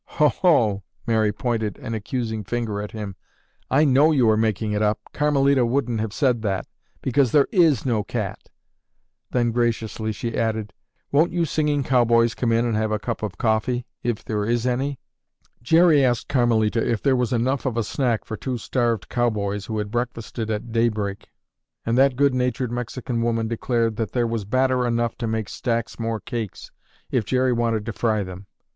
"Oho!" Mary pointed an accusing finger at him. "I know you are making it up. Carmelita wouldn't have said that, because there is no cat." Then graciously, she added, "Won't you singing cowboys come in and have a cup of coffee, if there is any?" Jerry asked Carmelita if there was enough of a snack for two starved cowboys who had breakfasted at daybreak and that good natured Mexican woman declared that there was batter enough to make stacks more cakes if Jerry wanted to fry them.